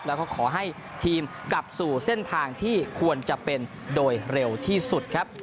แล้วก็ขอให้ทีมกลับสู่เส้นทางที่ควรจะเป็นโดยเร็วที่สุดครับ